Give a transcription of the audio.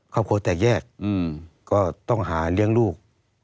ครอบครัวแตกแยกก็ต้องหาเลี้ยงลูก